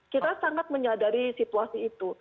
kita sangat menyadari situasi itu